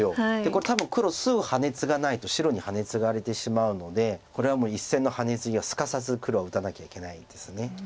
これ多分黒すぐハネツガないと白にハネツガれてしまうのでこれは１線のハネツギをすかさず黒は打たなきゃいけないです。